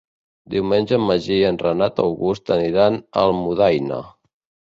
Diumenge en Magí i en Renat August aniran a Almudaina.